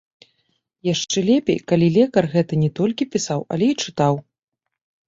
Яшчэ лепей, калі лекар гэта не толькі пісаў, але і чытаў.